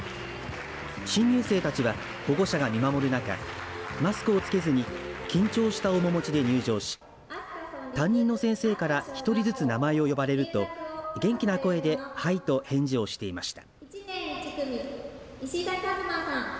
新入生たちは保護者が見守る中マスクを着けずに緊張した面持ちで入場し担任の先生から１人ずつ名前を呼ばれると元気な声ではいと返事をしていました。